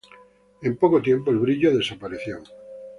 En poco tiempo el brillo desapareció.